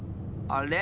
あれ？